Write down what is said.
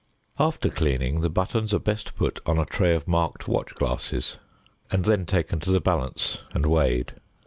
After cleaning the buttons are best put on a tray of marked watch glasses, and then taken to the balance and weighed.